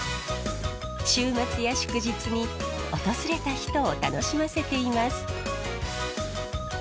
週末や祝日に訪れた人を楽しませています。